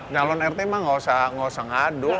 nyalon rt mah gak usah ngadu apa